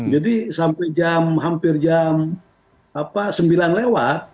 jadi sampai jam hampir jam sembilan lewat